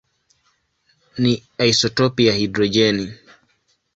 ni isotopi ya hidrojeni.